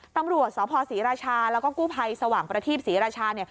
ตำรวจสพศรีราชาแล้วก็กู้ภัยสว่างประทีปศรีราชา